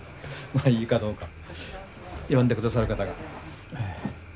いいかどうか読んで下さる方が。